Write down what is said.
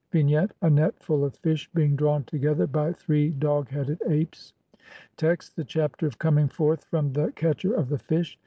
] Vignette : A net full of fish being drawn together by three dog headed apes. Text : (1) The Chapter of coming forth from the CATCHER OF THE FISH.